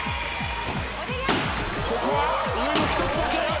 ここは上１つだけ。